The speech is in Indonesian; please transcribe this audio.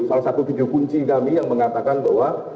salah satu video kunci kami yang mengatakan bahwa